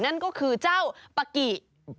นั่นก็คือเจ้าปะกิ